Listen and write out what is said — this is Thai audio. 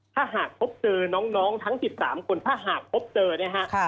ถ้าหากพบเจอน้องทั้ง๑๓คนถ้าหากพบเจอนะฮะ